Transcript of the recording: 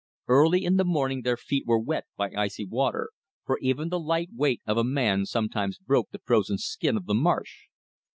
Early in the morning their feet were wet by icy water, for even the light weight of a man sometimes broke the frozen skin of the marsh.